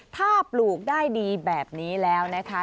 ถ้าปลูกได้ดีแบบนี้แล้วนะคะ